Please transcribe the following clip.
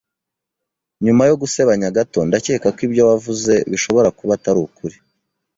Nyuma yo gusebanya gato, ndakeka ko ibyo wavuze bishobora kuba atari ukuri.